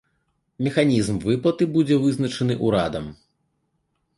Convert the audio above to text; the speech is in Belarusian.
Механізм выплаты будзе вызначаны ўрадам.